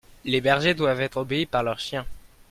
les bergers doivent être obéis par les chiens.